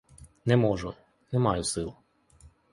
Не можу, не маю сил.